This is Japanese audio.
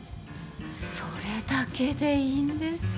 それだけでいいんです。